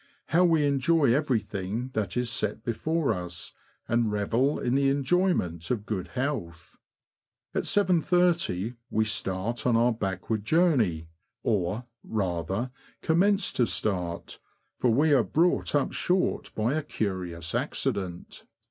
How we enjoy everything that is set before us, and revel in the enjoyment of good health ! At 7.30 we start on our backward journey — or, rather, commence to start, for we are brought up short by a curious accident.